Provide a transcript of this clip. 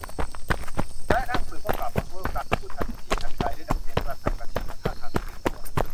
และนักสืบก็กลับมาเริ่มการพูดทันทีทันใดด้วยน้ำเสียงกระฉับกระเฉงและท่าทางที่ตื่นตัว